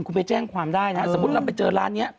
คุณไปแจ้งความได้นะฮะสมมุติเราไปเจอร้านนี้